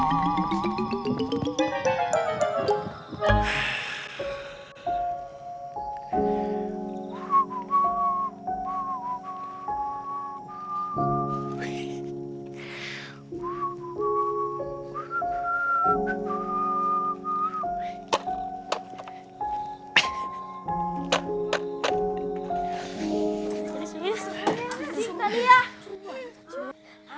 asyik dari ya